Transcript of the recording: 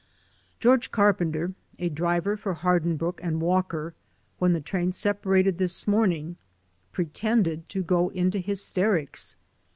George Carpenter, a driver for Hardin brooke and Walker, when the train separated this morning, pretended to go into hysterics.